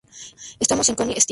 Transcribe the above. Estamos en "Coney Street".